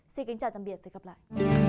xin kính chào tạm biệt và hẹn gặp lại